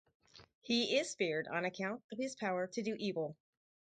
He is feared on account of his power to do evil.